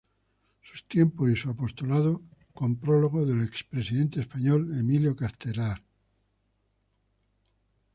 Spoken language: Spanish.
Sus tiempos y su apostolado, con prólogo del expresidente español Emilio Castelar.